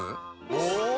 お！